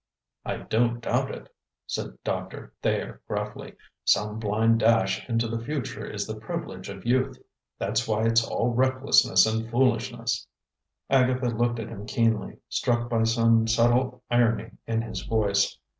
"I don't doubt it," said Doctor Thayer gruffly. "Some blind dash into the future is the privilege of youth. That's why it's all recklessness and foolishness." Agatha looked at him keenly, struck by some subtle irony in his voice.